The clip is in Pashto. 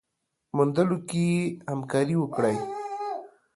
موندلو کي يې همکاري وکړئ